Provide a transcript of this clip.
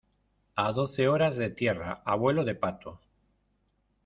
a doce horas de tierra a vuelo de pato.